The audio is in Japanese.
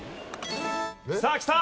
さあきた！